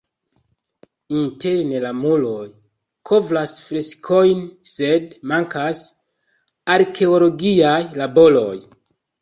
Interne la muroj kovras freskojn, sed mankas arkeologiaj laboroj.